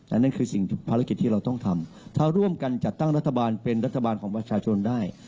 นั่นคือสิ่งภารกิจที่เราต้องทำถ้าร่วมกันจัดตั้งรัฐบาลเป็นรัฐบาลของประชาชนได้